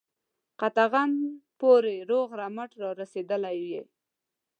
قطغن پوري روغ رمټ را رسېدلی یې.